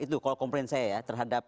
itu kalau komplain saya ya terhadap